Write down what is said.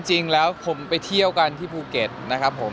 จริงแล้วผมไปเที่ยวกันที่ภูเก็ตนะครับผม